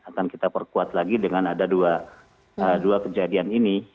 akan kita perkuat lagi dengan ada dua kejadian ini